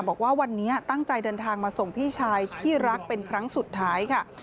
บอกว่าวันนี้ตั้งใจเดินทางมาส่งพี่ชายที่รักเป็นครั้งสุดท้ายค่ะ